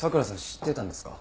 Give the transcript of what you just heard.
知ってたんですか？